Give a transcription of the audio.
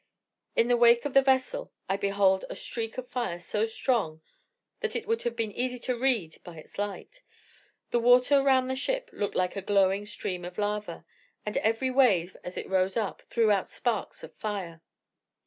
In the wake of the vessel I behold a streak of fire so strong that it would have been easy to read by its light; the water round the ship looked like a glowing stream of lava, and every wave, as it rose up, threw out sparks of fire.